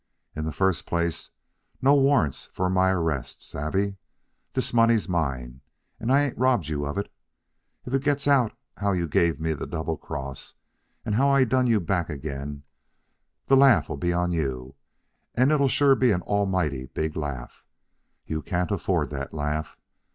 In the first place, no warrants for my arrest savvee? This money's mine, and I ain't robbed you of it. If it gets out how you gave me the double cross and how I done you back again, the laugh'll be on you, and it'll sure be an almighty big laugh. You all can't afford that laugh.